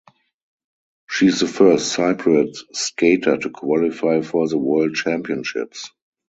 She is the first Cypriot skater to qualify for the World Championships.